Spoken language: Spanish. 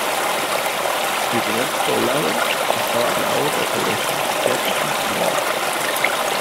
El primer poblado estaba plagado por pobreza, guerras y enfermedades.